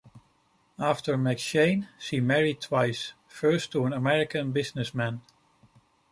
After McShane, she married twice, first to an American businessman.